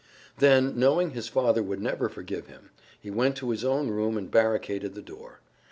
Then, knowing his father would never forgive him, he went to his own room and barricaded the door.